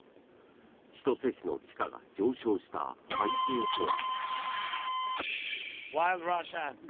千歳市の地価が上昇した背景とは。